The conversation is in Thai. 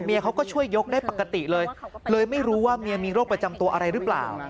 เขาก็ช่วยยกได้ปกติเลยเลยไม่รู้ว่าเมียมีโรคประจำตัวอะไรหรือเปล่า